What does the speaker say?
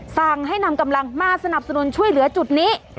สั่งให้นำกำลังมาสนับสนุนช่วยเหลือจุดนี้